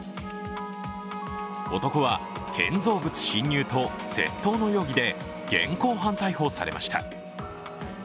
男は建造物侵入と窃盗の容疑で現行犯逮捕されました。